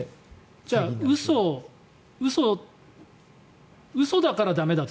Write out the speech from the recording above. じゃあ嘘だから駄目だと。